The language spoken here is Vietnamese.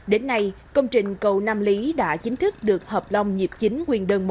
đến nay công trình cầu nam lý đã chính thức được hợp lông nhịp chính nguyên đơn một